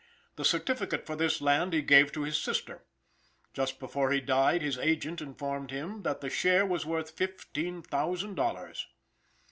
The certificate for this land he gave to his sister. Just before he died his agent informed him that the share was worth fifteen thousand dollars.